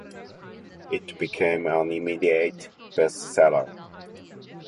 It became an immediate best seller.